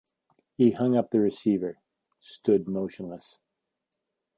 He hung up the receiver; stood motionless.